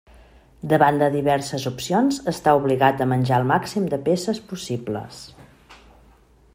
Davant de diverses opcions, està obligat a menjar el màxim de peces possibles.